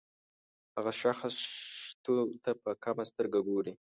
هغه شخص شتو ته په کمه سترګه ګوري.